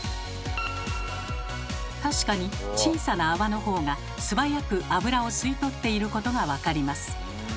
確かに小さな泡の方が素早く油を吸い取っていることが分かります。